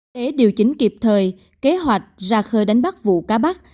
để điều chỉnh kịp thời kế hoạch ra khơi đánh bắt vụ cá bắt